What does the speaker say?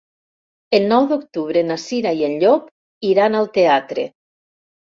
El nou d'octubre na Cira i en Llop iran al teatre.